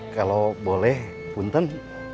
kalau boleh bunten